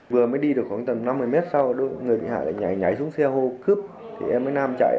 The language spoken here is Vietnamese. vừa mới đi được khoảng tầm năm mươi mét sau người bị hại lại nhảy xuống xe hô cướp thì em mới nam chạy